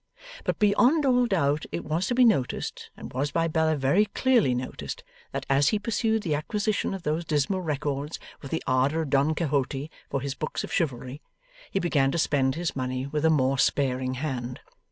But beyond all doubt it was to be noticed, and was by Bella very clearly noticed, that, as he pursued the acquisition of those dismal records with the ardour of Don Quixote for his books of chivalry, he began to spend his money with a more sparing hand.